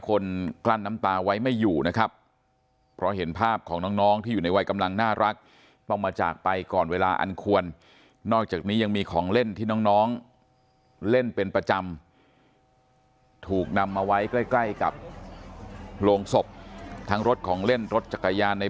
คุณครูซักครู่ได้อีกอย่างอย่างในวัดศาสตร์งานในโลงศพไม่มีชีวิตใจ